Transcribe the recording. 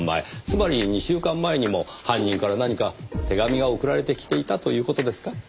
つまり２週間前にも犯人から何か手紙が送られてきていたという事ですか？